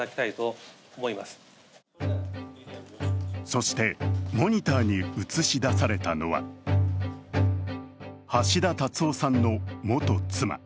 そしてモニターに映し出されたのは橋田達夫さんの元妻。